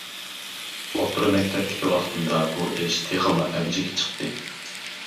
ئوتتۇرا مەكتەپتىكى ۋاقتىمدا بۇ ئىش تېخىمۇ ئەۋجىگە چىقتى.